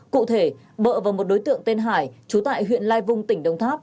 cụ thể vợ và một đối tượng tên hải chú tại huyện lai vung tỉnh đồng tháp